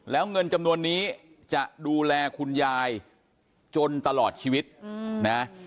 แล้วเงินจำนวนนี้จะดูแลคุณยายจนตลอดชีวิตนะ